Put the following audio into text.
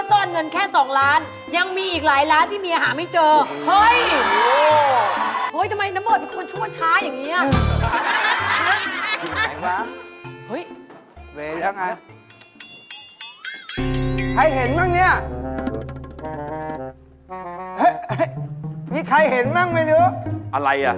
ใช่ครับได้ครับผมผมยอมรับครับผมนี่